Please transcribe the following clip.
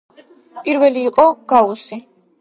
პირველი იყო გაუსი.